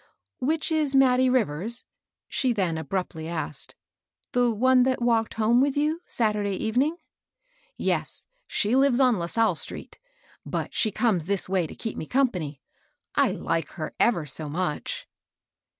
Which is Mattie Rivers ?" she then abruptly asked ;" the one that walked home with you, Saturday even ing?" " Yes, she Uves on Lasalle Street ; but she comes this way to keep me company. I like her ever so much."